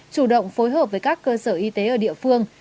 chủ động phối hợp với các cơ sở y tế ở địa phương